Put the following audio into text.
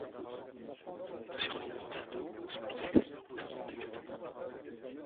Nous y reviendrons certainement lorsque nous examinerons les autres textes.